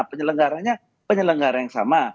penyelenggara nya penyelenggara yang sama